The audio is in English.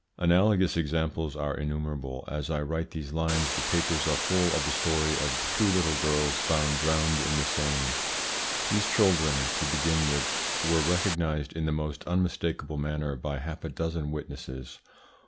Analogous examples are innumerable. As I write these lines the papers are full of the story of two little girls found drowned in the Seine. These children, to begin with, were recognised in the most unmistakable manner by half a dozen witnesses.